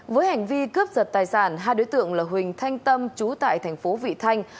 với hành vi cướp giật tài sản hai đối tượng là huỳnh thanh tâm chú tại thành phố vị thanh